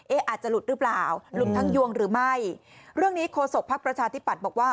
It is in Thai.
อาจจะหลุดหรือเปล่าหลุดทั้งยวงหรือไม่เรื่องนี้โฆษกภักดิ์ประชาธิปัตย์บอกว่า